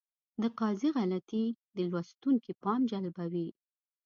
د قافیې غلطي د لوستونکي پام جلبوي.